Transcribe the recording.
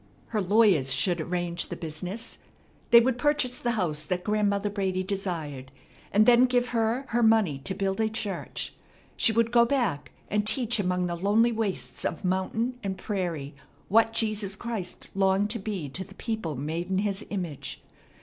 Her lawyers should arrange the business. They would purchase the house that Grandmother Brady desired, and then give her her money to build a church. She would go back, and teach among the lonely wastes of mountain and prairie what Jesus Christ longed to be to the people made in His image.